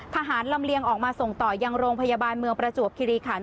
ลำเลียงออกมาส่งต่อยังโรงพยาบาลเมืองประจวบคิริขัน